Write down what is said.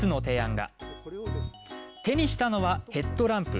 手にしたのはヘッドランプ。